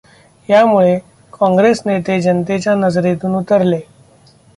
यामुळे काँग्रेसनेते जनतेच्या नजरेतून उतरले.